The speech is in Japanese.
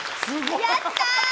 やったー！